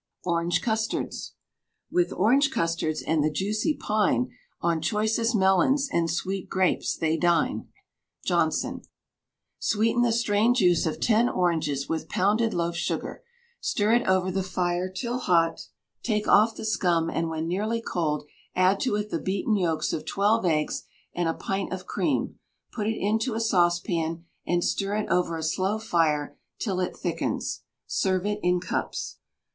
ORANGE CUSTARDS. With orange custards and the juicy pine, On choicest melons and sweet grapes they dine. JONSON. Sweeten the strained juice of ten oranges with pounded loaf sugar, stir it over the fire till hot, take off the scum, and when nearly cold, add to it the beaten yolks of twelve eggs and a pint of cream; put it into a saucepan, and stir it over a slow fire till it thickens. Serve it in cups.